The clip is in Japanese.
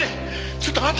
ちょっとあんた！